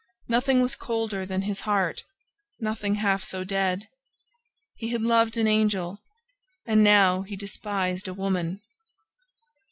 Nothing was colder than his heart, nothing half so dead: he had loved an angel and now he despised a woman!